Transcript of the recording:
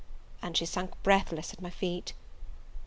and she sunk breathless at my feet.